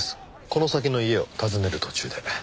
この先の家を訪ねる途中で。